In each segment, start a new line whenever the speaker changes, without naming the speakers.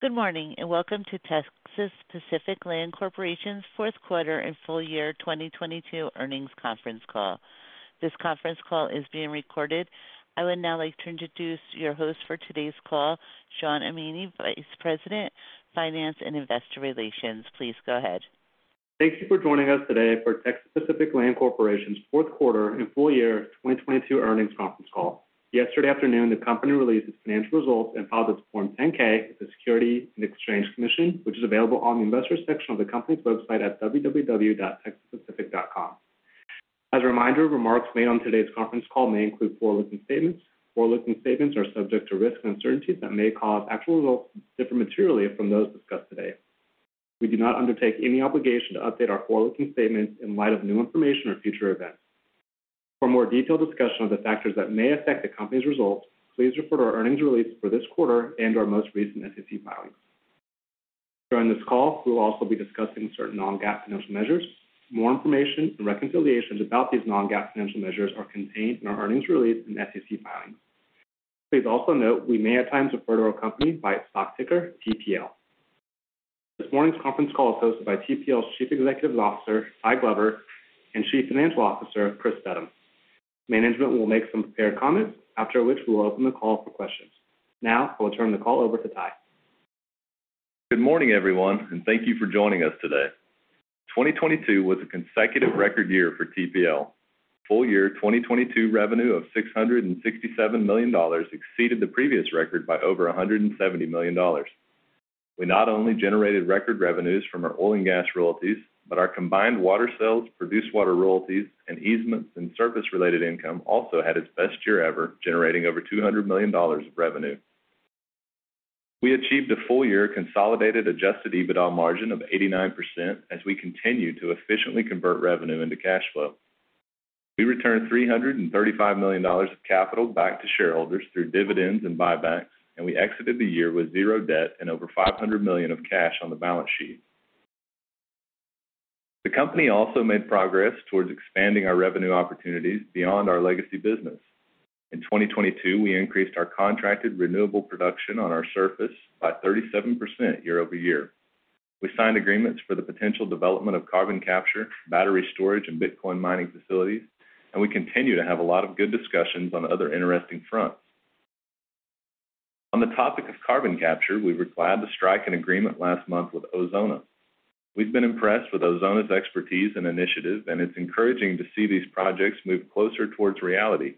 Good morning, welcome to. This conference call is being recorded. I would now like to introduce your host for today's call, Shawn Amini, Vice President, Finance and Investor Relations. Please go ahead.
Thank you for joining us today for. Yesterday afternoon, the company released its financial results and filed its Form 10-K with the Securities and Exchange Commission, which is available on the investors section of the company's website at www.texaspacific.com. As a reminder, remarks made on today's conference call may include forward-looking statements. Forward-looking statements are subject to risks and uncertainties that may cause actual results to differ materially from those discussed today. We do not undertake any obligation to update our forward-looking statements in light of new information or future events. For more detailed discussion of the factors that may affect the company's results, please refer to our earnings release for this quarter and our most recent SEC filings. During this call, we will also be discussing certain non-GAAP financial measures. More information and reconciliations about these non-GAAP financial measures are contained in our earnings release and SEC filings. Please also note we may at times refer to our company by its stock ticker, TPL. This morning's conference call is hosted by TPL's Chief Executive Officer, Ty Glover, and Chief Financial Officer, Chris Steddum. Management will make some prepared comments, after which we will open the call for questions. Now I will turn the call over to Ty.
Good morning, everyone, and thank you for joining us today. 2022 was a consecutive record year for TPL. Full year 2022 revenue of $667 million exceeded the previous record by over $170 million. We not only generated record revenues from our oil and gas royalties, but our combined water sales, produced water royalties and easements and surface-related income also had its best year ever, generating over $200 million of revenue. We achieved a full-year consolidated Adjusted EBITDA margin of 89% as we continue to efficiently convert revenue into cash flow. We returned $335 million of capital back to shareholders through dividends and buybacks. We exited the year with zero debt and over $500 million of cash on the balance sheet. The company also made progress towards expanding our revenue opportunities beyond our legacy business. In 2022, we increased our contracted renewable production on our surface by 37% year-over-year. We signed agreements for the potential development of carbon capture, battery storage and Bitcoin mining facilities. We continue to have a lot of good discussions on other interesting fronts. On the topic of carbon capture, we were glad to strike an agreement last month with Ozona. We've been impressed with Ozona's expertise and initiative. It's encouraging to see these projects move closer towards reality.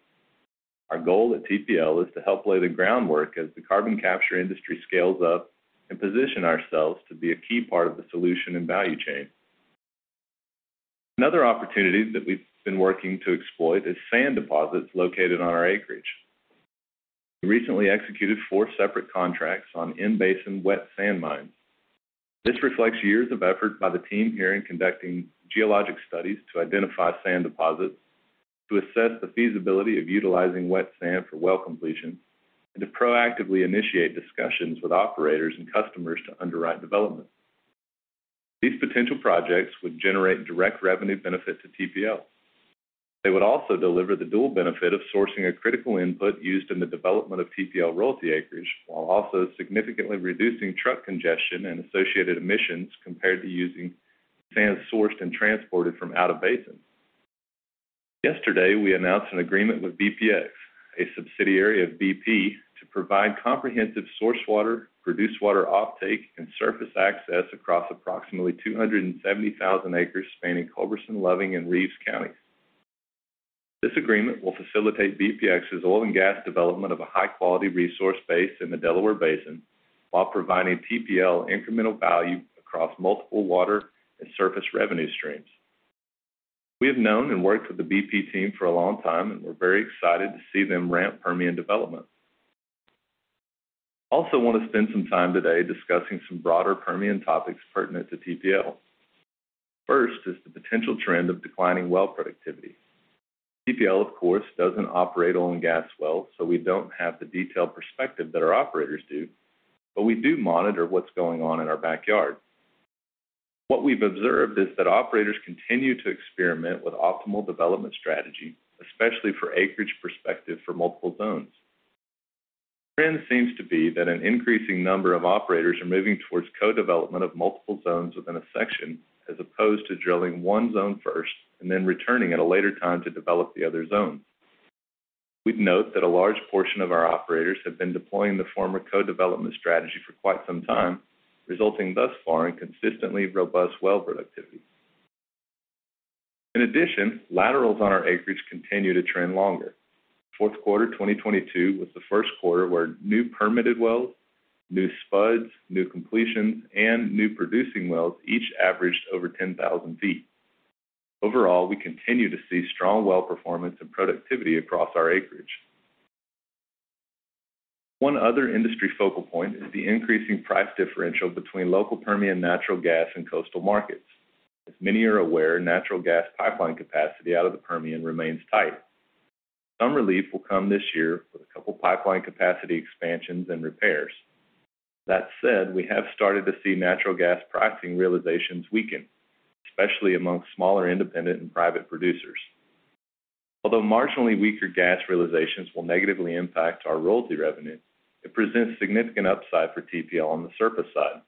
Our goal at TPL is to help lay the groundwork as the carbon capture industry scales up and position ourselves to be a key part of the solution and value chain. Another opportunity that we've been working to exploit is sand deposits located on our acreage. We recently executed four separate contracts on in-basin wet sand mines. This reflects years of effort by the team here in conducting geologic studies to identify sand deposits, to assess the feasibility of utilizing wet sand for well completion, and to proactively initiate discussions with operators and customers to underwrite development. These potential projects would generate direct revenue benefit to TPL. They would also deliver the dual benefit of sourcing a critical input used in the development of TPL royalty acreage, while also significantly reducing truck congestion and associated emissions compared to using sand sourced and transported from out of basin. Yesterday, we announced an agreement BPX Energy, a subsidiary of BP, to provide comprehensive source water, produced water offtake and surface access across approximately 270,000 acres spanning Culberson, Loving, and Reeves counties. This agreement will BPX Energy's oil and gas development of a high-quality resource base in the Delaware Basin while providing TPL incremental value across multiple water and surface revenue streams. We have known and worked with the BP team for a long time, and we're very excited to see them ramp Permian development. I also want to spend some time today discussing some broader Permian topics pertinent to TPL. First is the potential trend of declining well productivity. TPL, of course, doesn't operate oil and gas wells, so we don't have the detailed perspective that our operators do, but we do monitor what's going on in our backyard. What we've observed is that operators continue to experiment with optimal development strategy, especially for acreage perspective for multiple zones. The trend seems to be that an increasing number of operators are moving towards co-development of multiple zones within a section, as opposed to drilling one zone first and then returning at a later time to develop the other zones. We'd note that a large portion of our operators have been deploying the former co-development strategy for quite some time, resulting thus far in consistently robust well productivity. In addition, laterals on our acreage continue to trend longer. Fourth quarter 2022 was the first quarter where new permitted wells, new spuds, new completions, and new producing wells each averaged over 10,000 feet. Overall, we continue to see strong well performance and productivity across our acreage. One other industry focal point is the increasing price differential between local Permian natural gas and coastal markets. As many are aware, natural gas pipeline capacity out of the Permian remains tight. Some relief will come this year with a couple pipeline capacity expansions and repairs. That said, we have started to see natural gas pricing realizations weaken, especially amongst smaller, independent and private producers. Although marginally weaker gas realizations will negatively impact our royalty revenue, it presents significant upside for TPL on the surface side.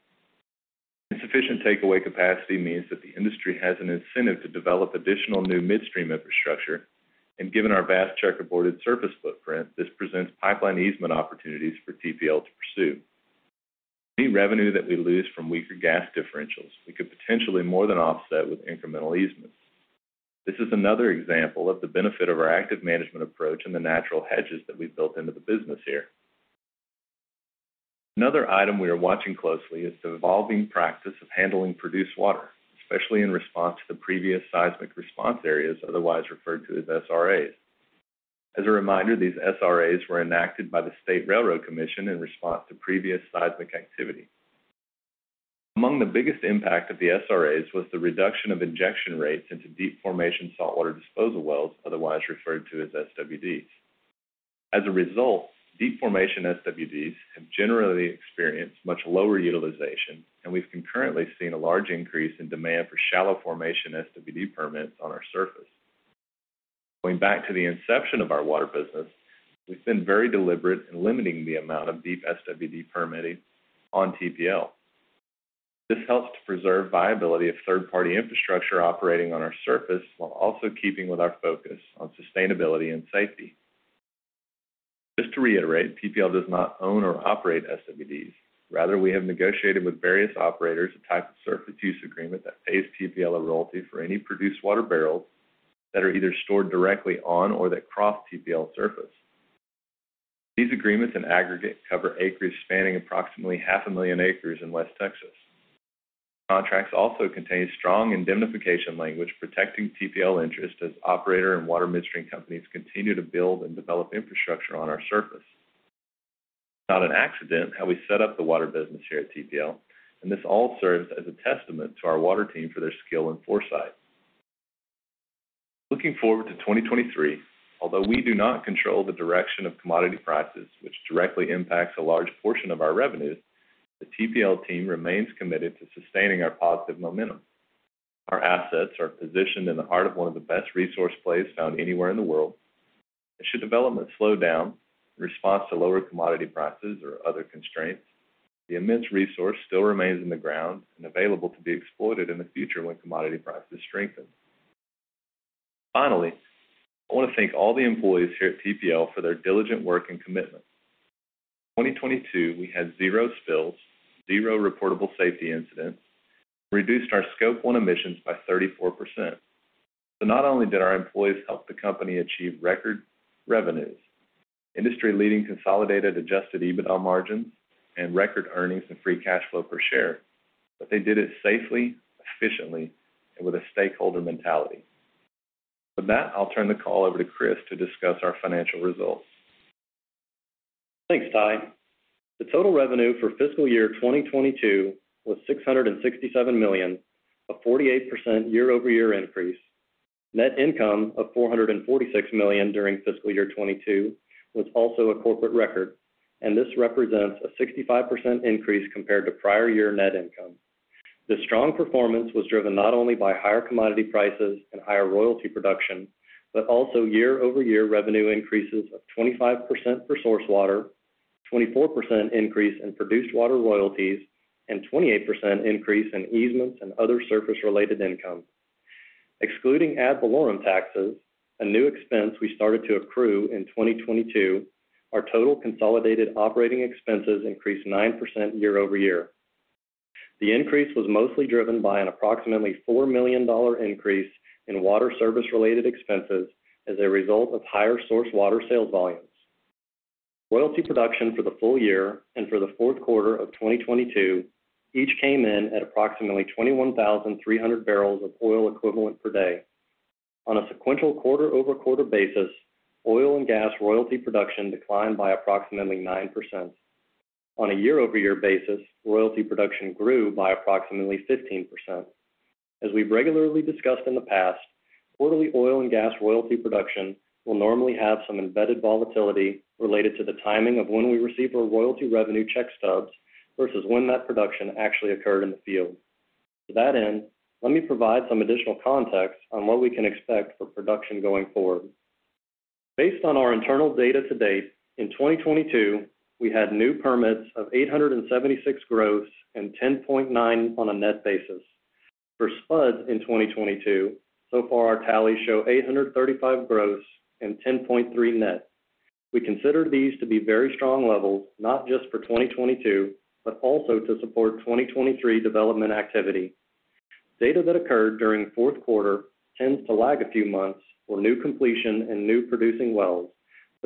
Insufficient takeaway capacity means that the industry has an incentive to develop additional new midstream infrastructure. Given our vast checkerboarded surface footprint, this presents pipeline easement opportunities for TPL to pursue. Any revenue that we lose from weaker gas differentials, we could potentially more than offset with incremental easements. This is another example of the benefit of our active management approach and the natural hedges that we've built into the business here. Another item we are watching closely is the evolving practice of handling produced water, especially in response to the previous Seismic Response Areas, otherwise referred to as SRAs. As a reminder, these SRAs were enacted by the Railroad Commission of Texas in response to previous seismic activity. Among the biggest impact of the SRAs was the reduction of injection rates into deep formation Saltwater Disposal Wells, otherwise referred to as SWDs. As a result, deep formation SWDs have generally experienced much lower utilization, and we've concurrently seen a large increase in demand for shallow formation SWD permits on our surface. Going back to the inception of our water business, we've been very deliberate in limiting the amount of deep SWD permitting on TPL. This helps to preserve viability of third-party infrastructure operating on our surface, while also keeping with our focus on sustainability and safety. Just to reiterate, TPL does not own or operate SWDs. Rather, we have negotiated with various operators a type of surface use agreement that pays TPL a royalty for any produced water barrels that are either stored directly on or that cross TPL surface. These agreements in aggregate cover acres spanning approximately 500,000 acres in West Texas. Contracts also contain strong indemnification language protecting TPL interest as operator and water midstream companies continue to build and develop infrastructure on our surface. It's not an accident how we set up the water business here at TPL, and this all serves as a testament to our water team for their skill and foresight. Looking forward to 2023, although we do not control the direction of commodity prices, which directly impacts a large portion of our revenues, the TPL team remains committed to sustaining our positive momentum. Our assets are positioned in the heart of one of the best resource plays found anywhere in the world. Should development slowdown in response to lower commodity prices or other constraints, the immense resource still remains in the ground and available to be exploited in the future when commodity prices strengthen. Finally, I wanna thank all the employees here at TPL for their diligent work and commitment. In 2022, we had zero spills, zero reportable safety incidents, reduced our Scope 1 emissions by 34%. Not only did our employees help the company achieve record revenues, industry-leading consolidated Adjusted EBITDA margins, and record earnings and free cash flow per share, but they did it safely, efficiently, and with a stakeholder mentality. With that, I'll turn the call over to Chris to discuss our financial results.
Thanks, Ty. The total revenue for fiscal year 2022 was $667 million, a 48% year-over-year increase. Net income of $446 million during fiscal year 2022 was also a corporate record. This represents a 65% increase compared to prior year net income. The strong performance was driven not only by higher commodity prices and higher royalty production, but also year-over-year revenue increases of 25% for source water, 24% increase in produced water royalties, and 28% increase in easements and other surface related income. Excluding ad valorem taxes, a new expense we started to accrue in 2022, our total consolidated operating expenses increased 9% year-over-year. The increase was mostly driven by an approximately $4 million increase in water service related expenses as a result of higher source water sales volumes. Royalty production for the full year and for the fourth quarter of 2022 each came in at approximately 21,300 barrels of oil equivalent per day. On a sequential quarter-over-quarter basis, oil and gas royalty production declined by approximately 9%. On a year-over-year basis, royalty production grew by approximately 15%. As we've regularly discussed in the past, quarterly oil and gas royalty production will normally have some embedded volatility related to the timing of when we receive our royalty revenue check stubs versus when that production actually occurred in the field. To that end, let me provide some additional context on what we can expect for production going forward. Based on our internal data to date, in 2022, we had new permits of 876 gross and 10.9 on a net basis. For spuds in 2022, so far our tallies show 835 gross and 10.3 net. We consider these to be very strong levels, not just for 2022, but also to support 2023 development activity. Data that occurred during fourth quarter tends to lag a few months for new completion and new producing wells.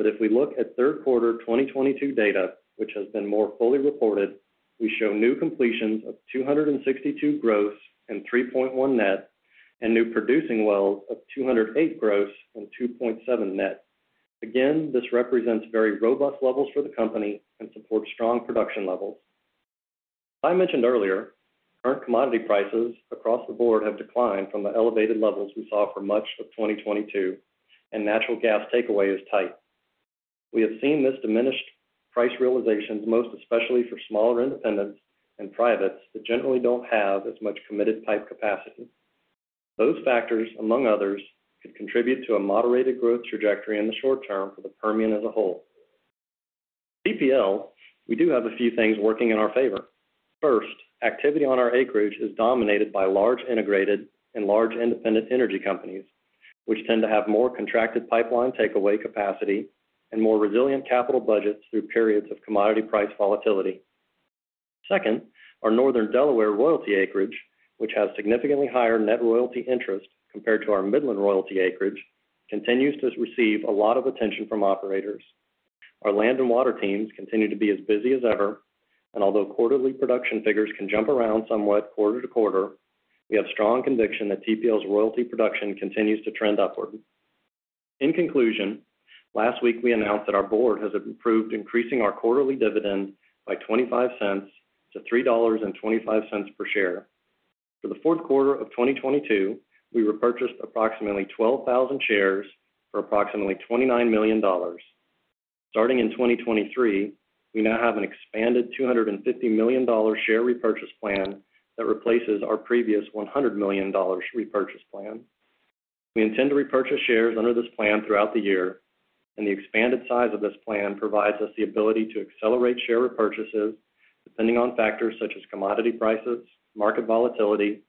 If we look at third quarter 2022 data, which has been more fully reported, we show new completions of 262 gross and 3.1 net, and new producing wells of 208 gross and 2.7 net. Again, this represents very robust levels for the company and supports strong production levels. I mentioned earlier, current commodity prices across the board have declined from the elevated levels we saw for much of 2022. Natural gas takeaway is tight. We have seen this diminished price realizations most especially for smaller independents and privates that generally don't have as much committed pipe capacity. Those factors, among others, could contribute to a moderated growth trajectory in the short term for the Permian as a whole. At TPL, we do have a few things working in our favor. First, activity on our acreage is dominated by large integrated and large independent energy companies, which tend to have more contracted pipeline takeaway capacity and more resilient capital budgets through periods of commodity price volatility. Second, our Northern Delaware royalty acreage, which has significantly higher net royalty interest compared to our Midland royalty acreage, continues to receive a lot of attention from operators. Our land and water teams continue to be as busy as ever, and although quarterly production figures can jump around somewhat quarter-to-quarter, we have strong conviction that TPL's royalty production continues to trend upward. In conclusion, last week we announced that our board has approved increasing our quarterly dividend by $0.25 to $3.25 per share. For the fourth quarter of 2022, we repurchased approximately 12,000 shares for approximately $29 million. Starting in 2023, we now have an expanded $250 million share repurchase plan that replaces our previous $100 million repurchase plan. We intend to repurchase shares under this plan throughout the year. The expanded size of this plan provides us the ability to accelerate share repurchases depending on factors such as commodity prices, market volatility,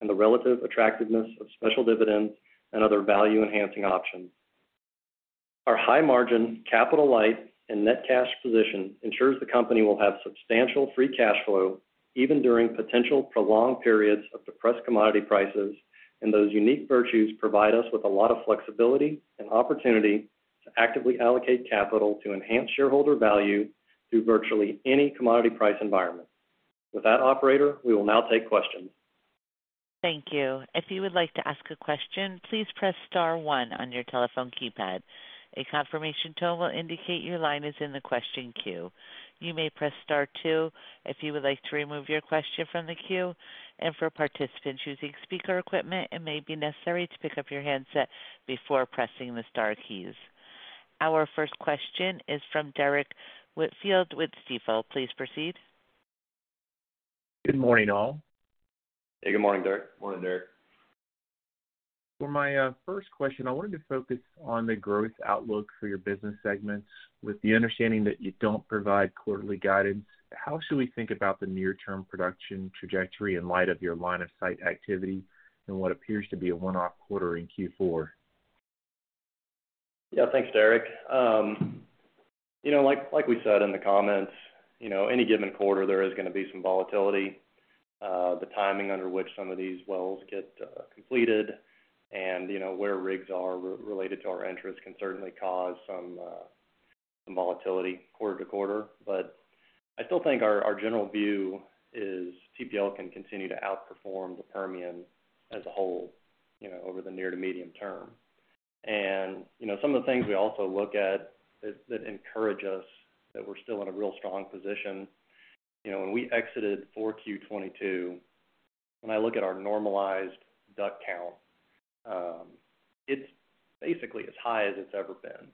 and the relative attractiveness of special dividends and other value-enhancing options. Our high margin, capital light, and net cash position ensures the company will have substantial free cash flow even during potential prolonged periods of depressed commodity prices. Those unique virtues provide us with a lot of flexibility and opportunity to actively allocate capital to enhance shareholder value through virtually any commodity price environment. With that, operator, we will now take questions.
Thank you. If you would like to ask a question, please press star one on your telephone keypad. A confirmation tone will indicate your line is in the question queue. You may press star two if you would like to remove your question from the queue. For participants using speaker equipment, it may be necessary to pick up your handset before pressing the star keys. Our first question is from Derrick Whitfield with Stifel. Please proceed.
Good morning, all.
Hey, good morning, Derrick.
Morning, Derrick.
For my first question, I wanted to focus on the growth outlook for your business segments. With the understanding that you don't provide quarterly guidance, how should we think about the near-term production trajectory in light of your line of sight activity and what appears to be a one-off quarter in Q4?
Yeah. Thanks, Derrick. you know, like we said in the comments, you know, any given quarter, there is gonna be some volatility. The timing under which some of these wells get completed and, you know, where rigs are re-related to our interest can certainly cause some volatility quarter-to-quarter. I still think our general view is TPL can continue to outperform the Permian as a whole, you know, over the near to medium term. you know, some of the things we also look at that encourage us that we're still in a real strong position, you know, when we exited for Q2 2022, when I look at our normalized DUC count, it's basically as high as it's ever been.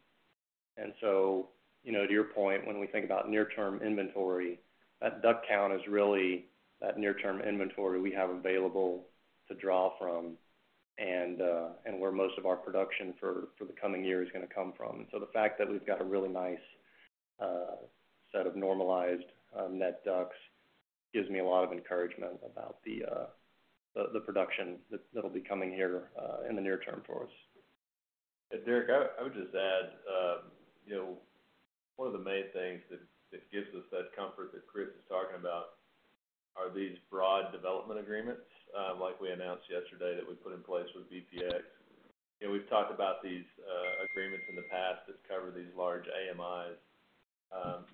You know, to your point, when we think about near-term inventory, that DUC count is really that near-term inventory we have available to draw from and where most of our production for the coming year is gonna come from. The fact that we've got a really nice set of normalized net DUCs gives me a lot of encouragement about the production that'll be coming here in the near term for us.
Derrick, I would just add, you know, one of the main things that gives us that comfort that Chris was talking about are these broad development agreements, like we announced yesterday that we put in place with BPX. You know, we've talked about these agreements in the past that cover these large AMIs.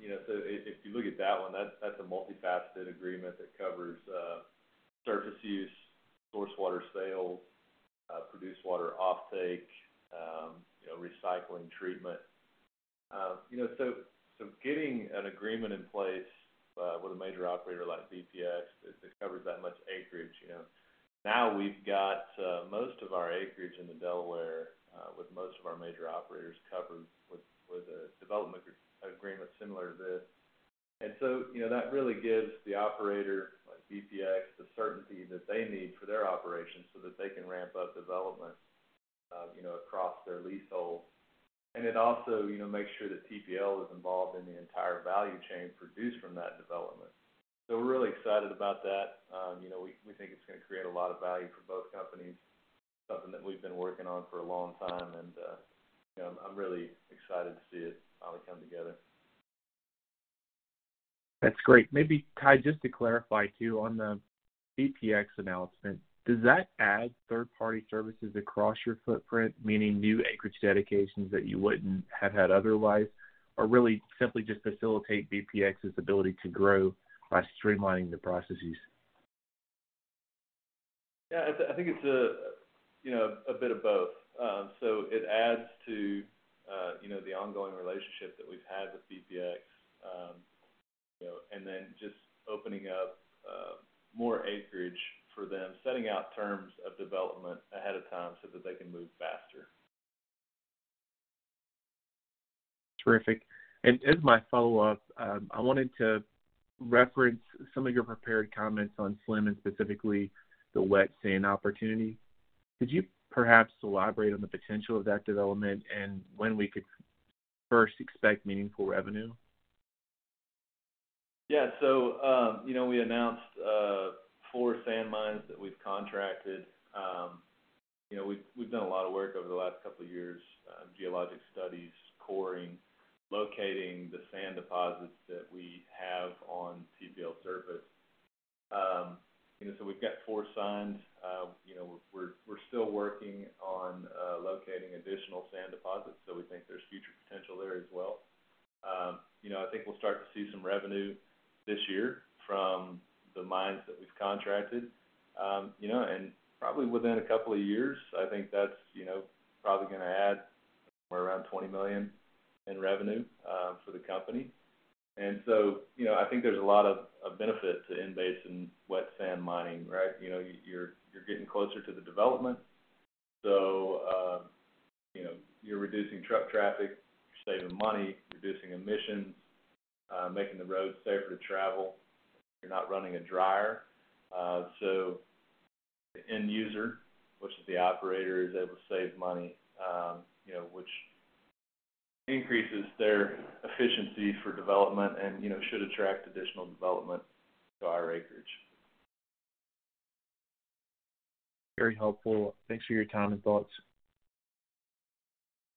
You know, so if you look at that one, that's a multifaceted agreement that covers surface use, source water sales, produced water offtake, recycling treatment. You know, so getting an agreement in place with a major operator like BPX that covers that much acreage, you know, now we've got most of our acreage in the Delaware with most of our major operators covered with a development agreement similar to this. You know, that really gives the operator like BPX the certainty that they need for their operations so that they can ramp up development, you know, across their leasehold. It also, you know, makes sure that TPL is involved in the entire value chain produced from that development. We're really excited about that. You know, we think it's gonna create a lot of value for both companies, something that we've been working on for a long time. You know, I'm really excited to see it finally come together.
That's great. Maybe, Ty, just to clarify too, on the BPX announcement, does that add third-party services across your footprint, meaning new acreage dedications that you wouldn't have had otherwise, or really simply just facilitate BPX's ability to grow by streamlining the processes?
Yeah, I think it's a, you know, a bit of both. It adds to, you know, the ongoing relationship that we've had with BPX. You know, then just opening up more acreage for them, setting out terms of development ahead of time so that they can move faster.
Terrific. As my follow-up, I wanted to reference some of your prepared comments on SLM and specifically the wet sand opportunity. Could you perhaps elaborate on the potential of that development and when we could first expect meaningful revenue?
Yeah. You know, we announced four sand mines that we've contracted. You know, we've done a lot of work over the last couple of years, geologic studies, coring, locating the sand deposits that we have on TPL surface. You know, we've got four signed. You know, we're still working on locating additional sand deposits, we think there's future potential there as well. You know, I think we'll start to see some revenue this year from the mines that we've contracted. You know, probably within a couple of years, I think that's, you know, probably gonna add somewhere around $20 million in revenue for the company. You know, I think there's a lot of benefit to in-basin wet sand mining, right? You know, you're getting closer to the development, so, you know, you're reducing truck traffic, you're saving money, reducing emissions, making the roads safer to travel. You're not running a dryer. The end user, which is the operator, is able to save money, you know, which increases their efficiency for development and, you know, should attract additional development to our acreage.
Very helpful. Thanks for your time and thoughts.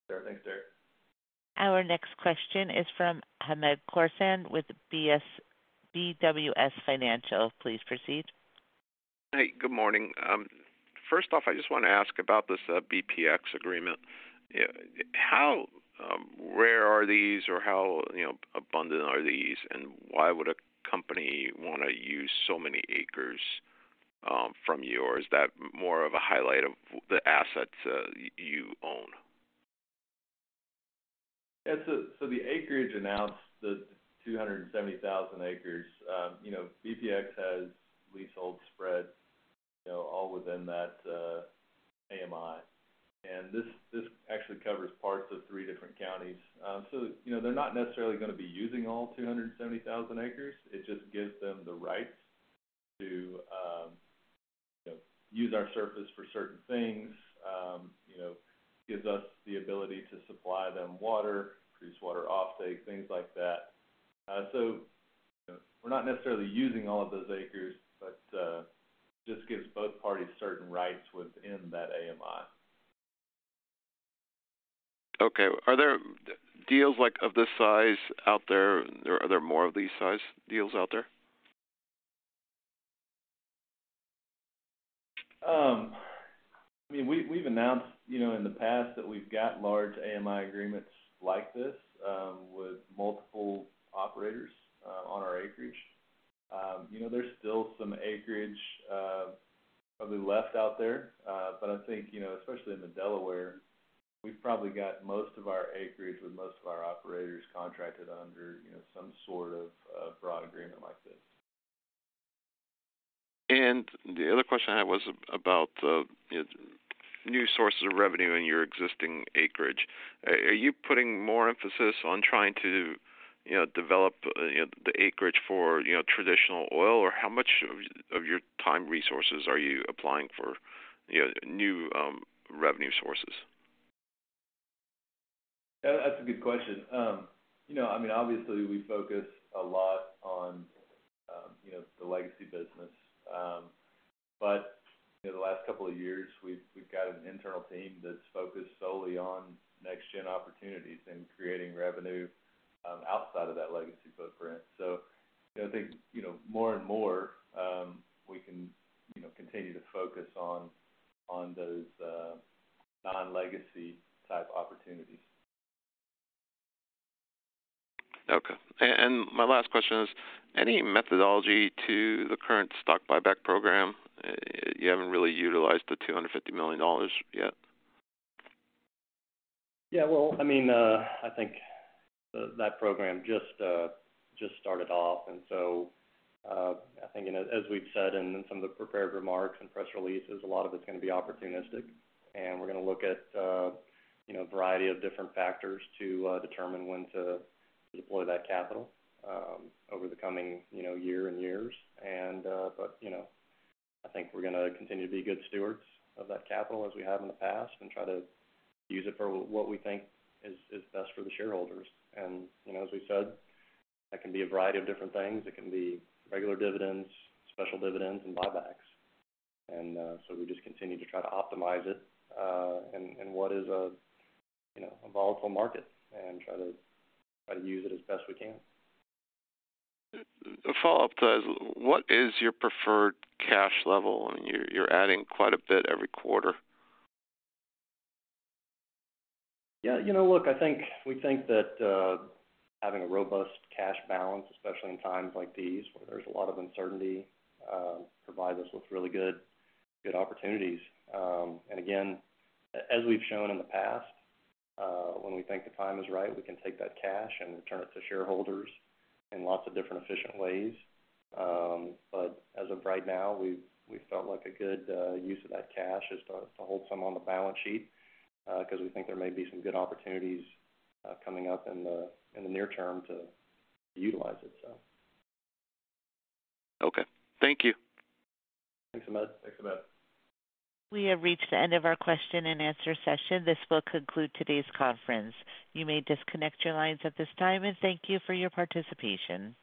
Sure thing, sir.
Our next question is from Hamed Khorsand with BWS Financial. Please proceed.
Hey, good morning. First off, I just wanna ask about this BPX agreement. How rare are these or how, you know, abundant are these? Why would a company wanna use so many acres from yours? Is that more of a highlight of the assets you own?
Yeah. The acreage announced the 270,000 acres. You know, BPX has leasehold spread, you know, all within that AMI. This actually covers parts of three different counties. You know, they're not necessarily gonna be using all 270,000 acres. It just gives them the rights to, you know, use our surface for certain things. You know, gives us the ability to supply them water, produce water offtake, things like that. You know, we're not necessarily using all of those acres, but just gives both parties certain rights within that AMI.
Okay. Are there deals like of this size out there? Are there more of these size deals out there?
I mean, we've announced, you know, in the past that we've got large AMI agreements like this, with multiple operators, on our acreage. You know, there's still some acreage probably left out there. I think, you know, especially in the Delaware, we've probably got most of our acreage with most of our operators contracted under, you know, some sort of a broad agreement like this.
The other question I had was about the new sources of revenue in your existing acreage. Are you putting more emphasis on trying to, you know, develop, you know, the acreage for, you know, traditional oil, or how much of your time resources are you applying for, you know, new revenue sources?
That's a good question. you know, I mean, obviously, we focus a lot on, you know, the legacy business. In the last couple of years, we've got an internal team that's focused solely on next gen opportunities and creating revenue, outside of that legacy footprint. I think, you know, more and more, we can, you know, continue to focus on those, non-legacy type opportunities.
Okay. My last question is, any methodology to the current stock buyback program? You haven't really utilized the $250 million yet.
Yeah. Well, I mean, I think that program just started off. I think, you know, as we've said in some of the prepared remarks and press releases, a lot of it's gonna be opportunistic, and we're gonna look at, you know, a variety of different factors to determine when to deploy that capital over the coming, you know, year and years. You know, I think we're gonna continue to be good stewards of that capital as we have in the past, and try to use it for what we think is best for the shareholders. You know, as we said, that can be a variety of different things. It can be regular dividends, special dividends, and buybacks. We just continue to try to optimize it, in what is a, you know, a volatile market and try to use it as best we can.
A follow-up to that is what is your preferred cash level? I mean, you're adding quite a bit every quarter.
Yeah. You know, look, I think we think that having a robust cash balance, especially in times like these where there's a lot of uncertainty, provide us with really good opportunities. Again, as we've shown in the past, when we think the time is right, we can take that cash and return it to shareholders in lots of different efficient ways. As of right now, we've felt like a good use of that cash is to hold some on the balance sheet, 'cause we think there may be some good opportunities coming up in the near term to utilize it, so.
Okay. Thank you.
Thanks, Hamed.
We have reached the end of our question-and-answer session. This will conclude today's conference. You may disconnect your lines at this time, and thank you for your participation.